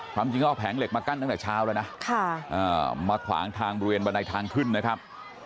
ความจริงเขาเอาแผงเหล็กมากั้นตั้งแต่เช้าแล้วนะมาขวางทางบริเวณบันไดทางขึ้นนะครับ